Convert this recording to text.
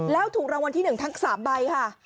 แล้วถูกรางวัลที่๑ทั้ง๓ใบค่ะ